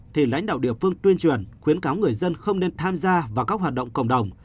thì lãnh đạo địa phương tuyên truyền khuyến cáo người dân không nên tham gia vào các hoạt động cộng đồng